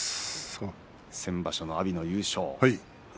先場所の阿炎の優勝